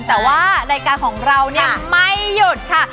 แต่ว่ารายการของเราเนี่ยไม่หยุดค่ะ